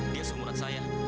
dia seumuran saya